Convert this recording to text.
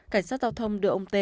cảnh sát giao thông đưa ông t